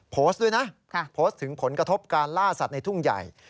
โพสต์ด้วยนะโพสต์ถึงผลกระทบการล่าสัตว์ในทุ่งใหญ่